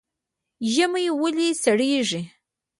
ژمی ولې سړیږي؟